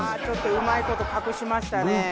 ちょっとうまい事隠しましたね。